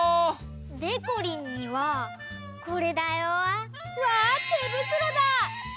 でこりんにはこれだよ！わてぶくろだ！